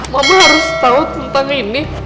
mama harus tahu tentang ini